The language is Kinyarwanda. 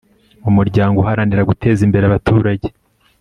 mu muryango uharanira guteza imbere abaturage